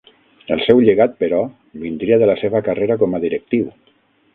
El seu llegat, però, vindria de la seva carrera com a directiu.